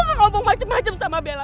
kamu gak ngomong macem macem sama bella